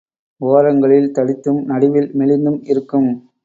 ஒரங்களில் தடித்தும் நடுவில் மெலிந்தும் இருக்கும்.